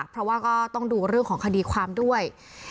เพราะว่าก็ต้องดูเรื่องของคดีความด้วย